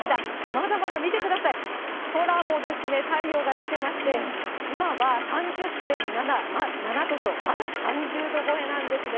まだまだ見てください、空もですね、太陽が出てまして、今は３０．７度と、まだ３０度超えなんですね。